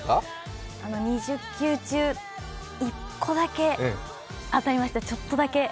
２０球中１個だけ当たりました、ちょっとだけ。